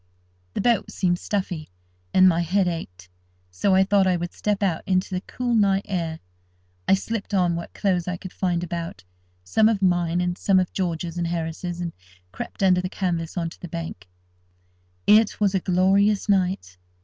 The boat seemed stuffy, and my head ached; so I thought I would step out into the cool night air. I slipped on what clothes I could find about—some of my own, and some of George's and Harris's—and crept under the canvas on to the bank. It was a glorious night.